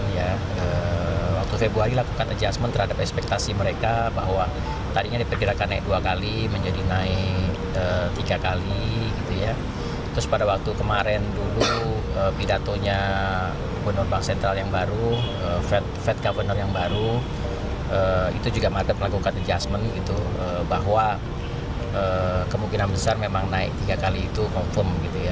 itu juga marka pelakukan adjustment bahwa kemungkinan besar memang naik tiga kali itu confirm